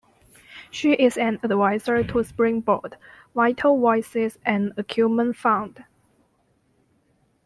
She is an advisor to Springboard, Vital Voices and Acumen Fund.